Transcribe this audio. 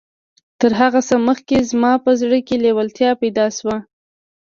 تر هر څه مخکې زما په زړه کې لېوالتيا پيدا شوه.